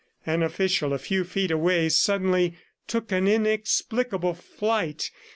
An official a few feet away suddenly took an inexplicable flight.